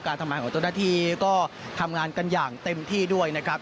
ทำงานของเจ้าหน้าที่ก็ทำงานกันอย่างเต็มที่ด้วยนะครับ